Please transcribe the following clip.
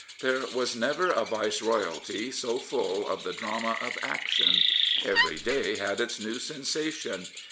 There was never a Viceroyalty so full of the drama of action. Every day had its new sensation.